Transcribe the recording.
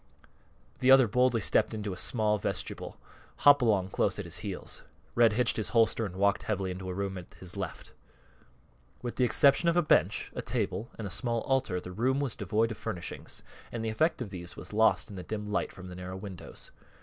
The other boldly stepped into a small vestibule, Hopalong close at his heels. Red hitched his holster and walked heavily into a room at his left. With the exception of a bench, a table, and a small altar, the room was devoid of furnishings, and the effect of these was lost in the dim light from the narrow windows.